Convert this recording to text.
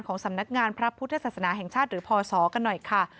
สำนักงานพระพุทธศาสนาแห่งชาติหรือพศกันหน่อยค่ะ